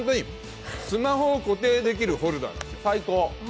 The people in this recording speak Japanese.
スマホを固定できるホルダーです。